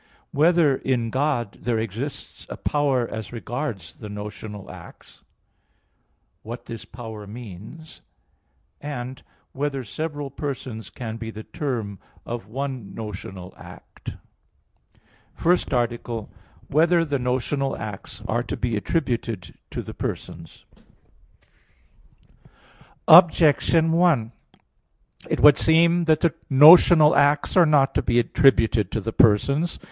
(4) Whether in God there exists a power as regards the notional acts? (5) What this power means? (6) Whether several persons can be the term of one notional act? _______________________ FIRST ARTICLE [I, Q. 41, Art. 1] Whether the Notional Acts Are to Be Attributed to the Persons? Objection 1: It would seem that the notional acts are not to be attributed to the persons.